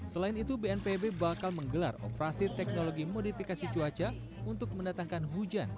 selain itu bnpb bakal menggelar operasi teknologi modifikasi cuaca untuk mendatangkan hujan